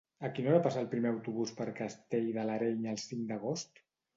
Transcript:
A quina hora passa el primer autobús per Castell de l'Areny el cinc d'agost?